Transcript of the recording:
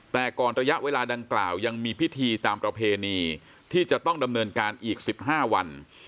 แต่ก่อนระยะเวลาดังกล่าวยังมีพิธีตามประเพณีที่จะต้องดำเนินการอีก๑๕วัน